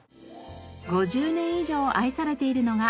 ５０年以上愛されているのがこちら。